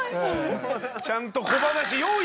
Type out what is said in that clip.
ちゃんと。